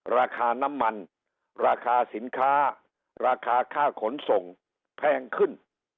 ราคาน้ำมันราคาสินค้าราคาค่าขนส่งแพงขึ้น